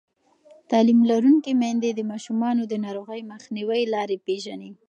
تعلیم لرونکې میندې د ماشومانو د ناروغۍ مخنیوي لارې پېژني.